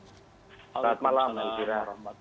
selamat malam alkira